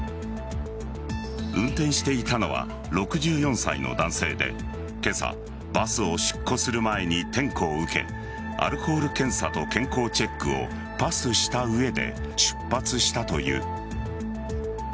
運転していたのは６４歳の男性で今朝、バスを出庫する前に点呼を受けアルコール検査と健康チェックをパスした上で出発したという。